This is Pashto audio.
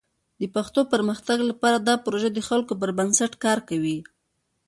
د پښتو د پرمختګ لپاره دا پروژه د خلکو پر بنسټ کار کوي.